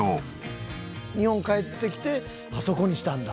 日本帰ってきてあそこにしたんだ。